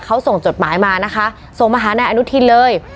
เค้าส่งจดหมายมานะคะโสมาฮาแนวอนุทีนเลย